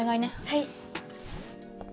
はい。